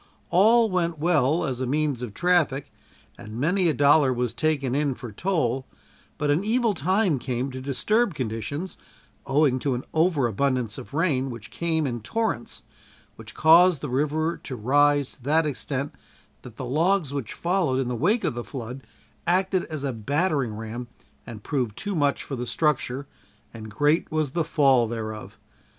All went well as a means of traffic and many a dollar was taken in for toll, but an evil time came to disturb conditions, owing to an over abundance of rain which came in torrents, which caused the river to rise to that extent that the logs which followed in the wake of the flood, acted as a battering ram and proved too much for the structure and great was the fall thereof.